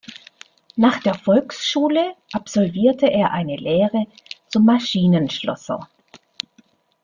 Nach der Volksschule absolvierte er eine Lehre zum Maschinenschlosser.